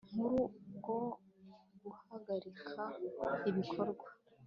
Nkuru bwo guhagarika ibikorwa